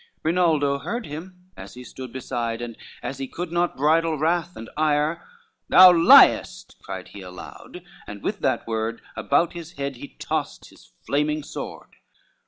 Rinaldo heard him as he stood beside, And as he could not bridle wrath and ire, "Thou liest," cried he loud, and with that word About his head he tossed his flaming sword.